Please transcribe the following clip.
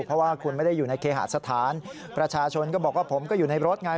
เพราะว่าคุณไม่ได้อยู่ในเคหาสถานประชาชนก็บอกว่าผมก็อยู่ในรถไง